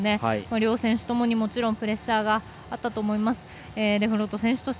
両選手ともにもちろんプレッシャーがあったと思います。